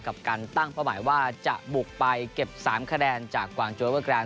กับการตั้งเป้าหมายว่าจะบุกไปเก็บ๓คะแนนจากกวางโจเวอร์แกรน